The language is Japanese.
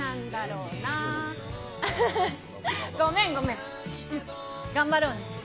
うん、頑張ろうね。